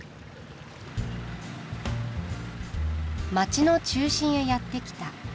街の中心へやって来た。